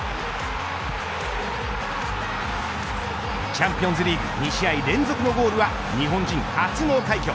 チャンピオンズリーグ２試合連続のゴールは日本人初の快挙。